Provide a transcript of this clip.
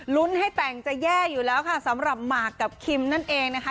ให้แต่งจะแย่อยู่แล้วค่ะสำหรับหมากกับคิมนั่นเองนะคะ